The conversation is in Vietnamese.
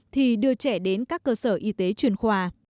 thì đưa trẻ đến các cơ sở y tế chuyên khoa